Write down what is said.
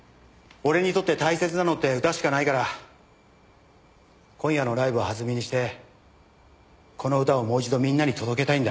俺にとって大切なのって歌しかないから今夜のライブを弾みにしてこの歌をもう一度みんなに届けたいんだ。